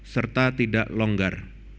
serta tidak longgar